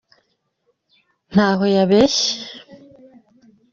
Ntaho yabeshye